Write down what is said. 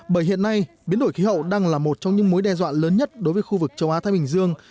bởi hiện nay biến đổi khí hậu đang là một trong những mối đe dọa lớn nhất đối với khu vực châu á thái bình dương